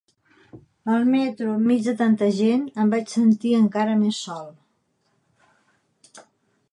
Al metro, enmig de tanta gent, em vaig sentir encara més sol.